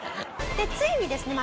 でついにですね